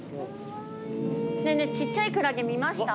ねぇねぇちっちゃいクラゲ見ました？